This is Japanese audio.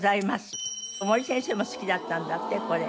森先生も好きだったんだってこれ。